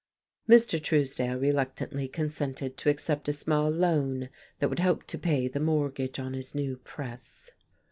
Mr. Truesdale reluctantly consented to accept a small "loan" that would help to pay the mortgage on his new press....